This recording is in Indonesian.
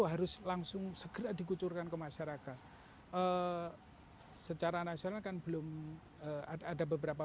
harus langsung segera dikucurkan ke masyarakat secara nasional kan belum ada beberapa